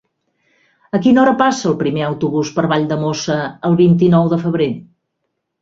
A quina hora passa el primer autobús per Valldemossa el vint-i-nou de febrer?